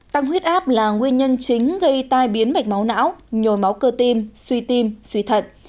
tăng huyết áp là nguyên nhân chính gây tai biến mạch máu não nhồi máu cơ tim suy tim suy thận